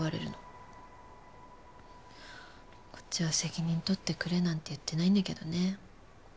こっちは責任取ってくれなんて言ってないんだけどね。